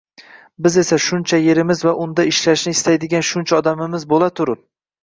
biz esa shuncha yerimiz va unda ishlashni istaydigan shuncha odamimiz bo‘la turib